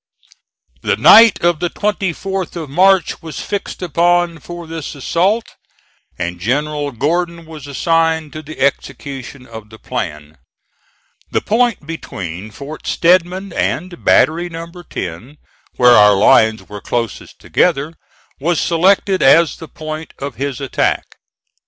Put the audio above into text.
The night of the 24th of March was fixed upon for this assault, and General Gordon was assigned to the execution of the plan. The point between Fort Stedman and Battery No. 10, where our lines were closest together, was selected as the point of his attack.